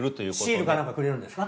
シールかなんかくれるんですか？